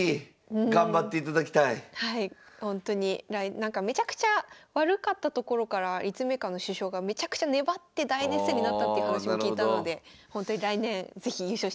なんかめちゃくちゃ悪かったところから立命館の主将がめちゃくちゃ粘って大熱戦になったっていう話も聞いたのでほんとに来年是非優勝していただきたいなと。